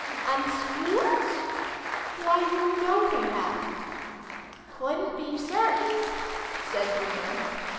" And spoons ?"'' Why, you know they had !"" Couldn't be certain" said Bruno.)